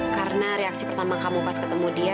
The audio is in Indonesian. karena reaksi pertama kamu pas ketemu dia